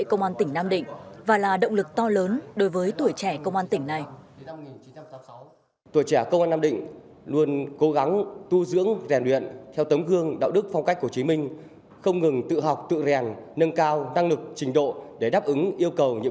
công an tỉnh nam định và là động lực to lớn đối với tuổi trẻ công an tỉnh này